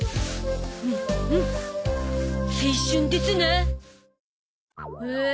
うんうん青春ですなあ。